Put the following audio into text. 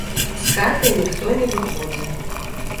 З хаты ніхто не выходзіў.